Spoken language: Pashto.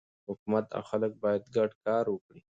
حکومت او خلک باید ګډ کار وکړي.